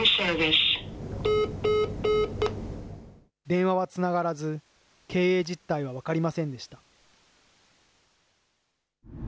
電話はつながらず、経営実態は分かりませんでした。